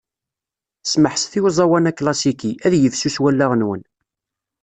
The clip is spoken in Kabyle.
Smeḥset i uẓawan aklasiki, ad yifsus wallaɣ-nwen.